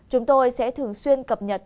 chúng tôi sẽ thường xuyên cập nhật